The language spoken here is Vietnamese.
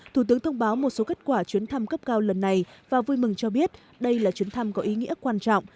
thủ tướng thông báo một số kết quả chuyến thăm cấp cao lần này và vui mừng cho biết đây là chuyến thăm có ý nghĩa quan trọng